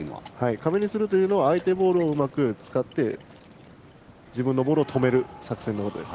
壁にするというのは相手ボールをうまく使って自分のボールを止める作戦です。